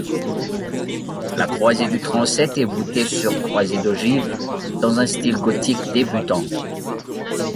La croisée du transept est voûtée sur croisée d’ogives, dans un style gothique débutant.